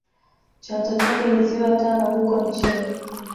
Chanzo chake ni ziwa tana huko nchini